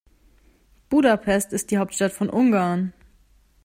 Budapest ist die Hauptstadt von Ungarn.